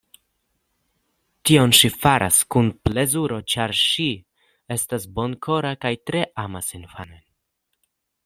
Tion ŝi faras kun plezuro, ĉar ŝi estas bonkora kaj tre amas infanojn.